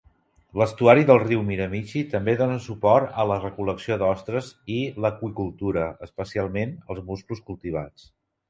L'estuari del riu Miramichi també dona suport a la recol·lecció d'ostres i l'aqüicultura, especialment els musclos cultivats.